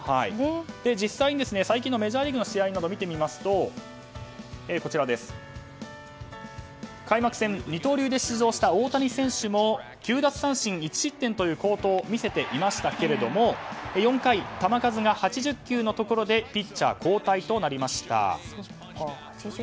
実際に最近のメジャーリーグの試合を見てみますと開幕戦、二刀流で出場した大谷選手も９奪三振１失点という好投を見せていましたけども４回、球数が８０球のところでピッチャー交代となりました。